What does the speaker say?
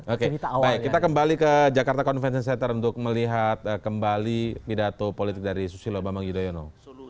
oke baik kita kembali ke jakarta convention center untuk melihat kembali pidato politik dari susilo bambang yudhoyono